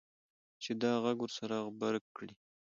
چې دا غږ ورسره غبرګ کړي.